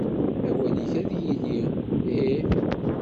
Awal-ik ad yili: Ih.